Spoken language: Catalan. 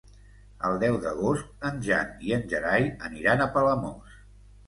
El deu d'agost en Jan i en Gerai aniran a Palamós.